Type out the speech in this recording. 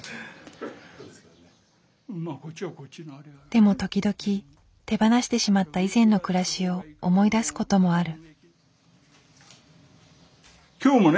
でも時々手放してしまった以前の暮らしを思い出す事もある。